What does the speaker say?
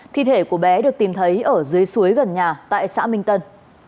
thi thể của bé được tìm thấy ở dưới suối gần nhà tại xã minh tân